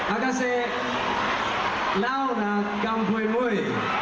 อากาศเซน่ารักเกินปุ่ยมุย